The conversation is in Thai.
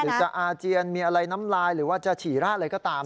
จะอาเจียนมีอะไรน้ำลายหรือว่าจะฉี่ราดอะไรก็ตาม